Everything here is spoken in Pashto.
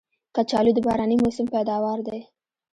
کچالو د باراني موسم پیداوار دی